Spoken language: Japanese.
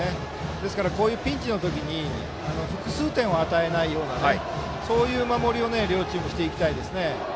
ですから、こういうピンチの時に複数点を与えないようなそういう守りを両チームはしていきたいですね。